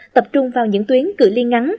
tập trung vào những tuyến cửa ly ngắn